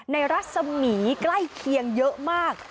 รัศมีร์ใกล้เคียงเยอะมาก